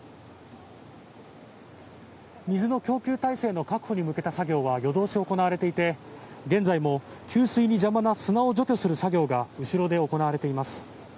水の供給体制の確保に向けた作業は夜通し行われていて現在も給水に邪魔な砂を除去する作業が後ろで行われています。